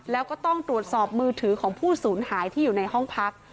แล้วก็ต้องตรวจสอบมือถือของผู้สูญหายที่อยู่ในห้องพัก